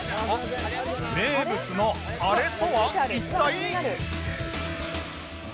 名物のあれとは一体？